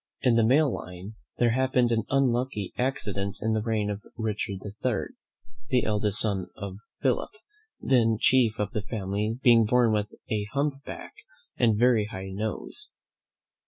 In the male line there happened an unlucky accident in the reign of Richard III., the eldest son of Philip, then chief of the family, being born with a hump back and very high nose.